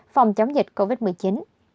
phòng chống dịch huyện gia lâm